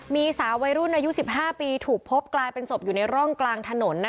มีสาววัยรุ่นอายุ๑๕ปีถูกพบกลายเป็นศพอยู่ในร่องกลางถนน